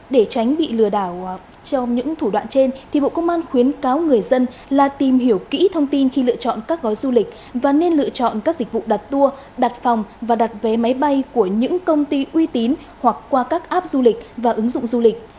để tránh bị lừa đảo trong những thủ đoạn trên thì bộ công an khuyến cáo người dân là tìm hiểu kỹ thông tin khi lựa chọn các gói du lịch và nên lựa chọn các dịch vụ đặt tour đặt phòng và đặt vé máy bay của những công ty uy tín hoặc qua các app du lịch và ứng dụng du lịch